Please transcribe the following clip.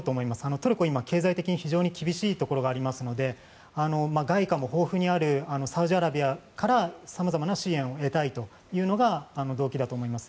トルコ、今経済的に厳しいところがありますので外貨も豊富にあるサウジアラビアから様々な支援を得たいというのが動機だと思います。